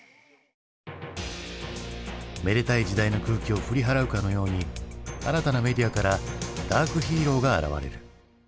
めでたい時代の空気を振り払うかのように新たなメディアからダークヒーローが現れる。